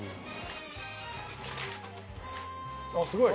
あすごい。